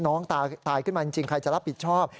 น้องตายขึ้นมาจริงใครจะรับผิดชอบ